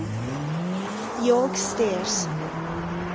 YORK STAIRS.